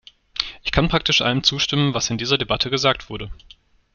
Ich kann praktisch allem zustimmen, was in dieser Debatte gesagt wurde.